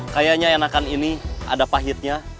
kayaknya enakan ini ada pahitnya